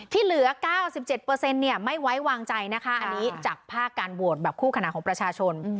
ที่เหลือเก้าสิบเจ็ดเปอร์เซ็นต์เนี่ยไม่ไว้วางใจนะคะอันนี้จากภาคการโหวตแบบคู่ขนาดของประชาชน